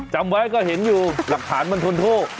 จำไว้ก็เห็นอยู่หลักฐานมันทนโทษ